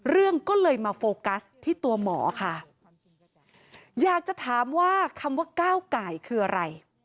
เรื่องก็เลยมาโฟกัสที่ตัวหมอค่ะอยากจะถามว่าคำว่าก้าวไก่คืออะไร